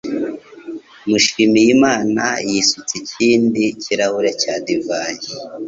Mushimiyimana yisutse ikindi kirahure cya divayi.